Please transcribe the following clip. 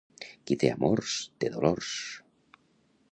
Qui té amors, té dolors.